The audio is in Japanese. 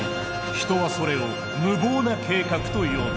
人はそれを無謀な計画と呼ぶ。